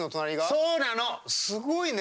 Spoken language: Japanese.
すごいね。